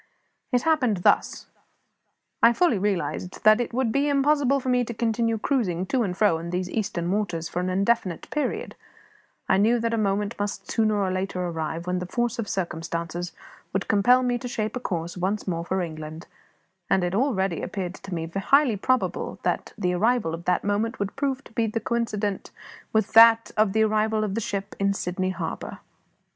It happened thus. I fully realised that it would be impossible for me to continue cruising to and fro in those Eastern waters for an indefinite period; I knew that a moment must sooner or later arrive when the force of circumstances would compel me to shape a course once more for England; and it already appeared to me highly probable that the arrival of that moment would prove to be coincident with that of the arrival of the ship in Sydney Harbour.